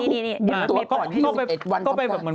กลุ่มตัวก่อนที่๑๑วัน